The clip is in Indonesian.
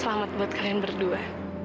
selamat buat kalian berdua